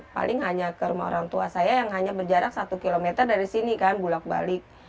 paling hanya ke rumah orang tua saya yang hanya berjarak satu km dari sini kan bulak balik